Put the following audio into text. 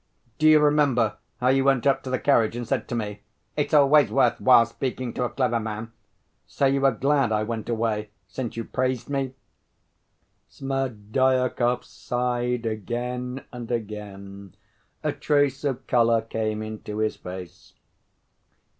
"Do you remember how you went up to the carriage and said to me, 'It's always worth while speaking to a clever man'? So you were glad I went away, since you praised me?" Smerdyakov sighed again and again. A trace of color came into his face.